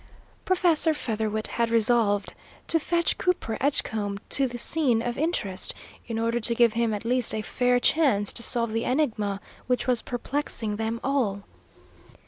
Professor Featherwit had resolved to fetch Cooper Edgecombe to the scene of interest, in order to give him at least a fair chance to solve the enigma which was perplexing them all.